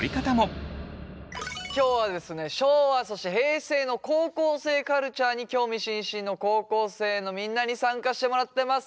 今日はですね昭和そして平成の高校生カルチャーに興味津々の高校生のみんなに参加してもらってます。